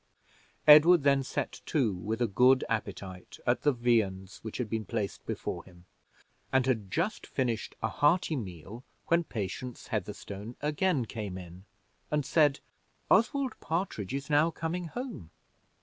Edward then set to with a good appetite at the viands which had been placed before him, and had just finished a hearty meal when Patience Heatherstone again came in and said: "Oswald Partridge is now coming home."